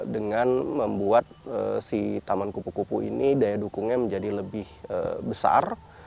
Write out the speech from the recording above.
dengan membuat si taman kupu kupu ini daya dukungnya menjadi lebih besar